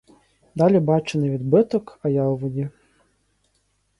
Далі бачу — не відбиток, а я у воді.